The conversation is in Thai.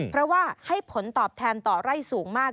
เพราะว่าให้ผลตอบแทนต่อไร่สูงมาก